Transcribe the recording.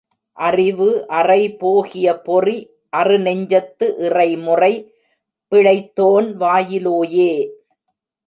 அறிவு அறை போகிய பொறி அறு நெஞ்சத்து இறைமுறை பிழைத்தோன் வாயிலோயே!